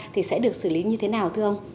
thì sẽ được xử lý như thế nào thưa ông